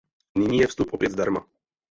Nyní je vstup opět zdarma.